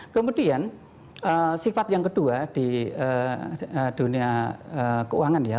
kemudian sifat yang kedua di dunia keuangan ya